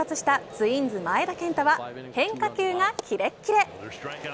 ツインズ前田健太は変化球がキレキレ。